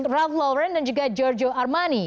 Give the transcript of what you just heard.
ralph lauren dan juga giorgio armani